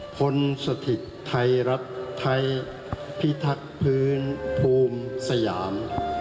พลสถิตไทยรัฐไทยพิทักษ์พื้นภูมิสยาม